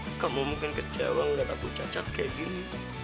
karena kamu mungkin kecewa ngeliat aku cacat kayak gini